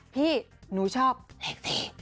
พี่หนูชอบเล็กซี่